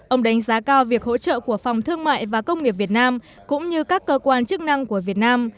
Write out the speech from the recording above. ông đánh giá cao việc hỗ trợ của phòng thương mại và công nghiệp việt nam cũng như các cơ quan chức năng của việt nam